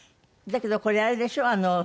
だけどこれあれでしょ？